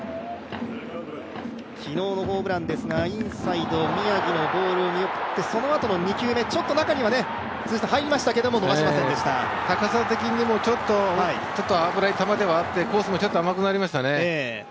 昨日のホームランですがインサイド宮城のボールを見送ってそのあとの２球目、ちょっと中には入りましたけど高さ的にもちょっと危なくて、コースもちょっと甘くなりましたね。